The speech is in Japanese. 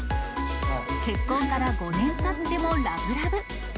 結婚から５年たってもラブラブ。